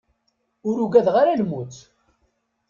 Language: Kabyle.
Ur ugadeɣ ara lmut.